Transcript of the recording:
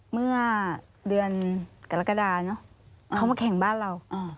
เมื่อเดือนกรกฎาเนอะเขามาแข่งบ้านเรา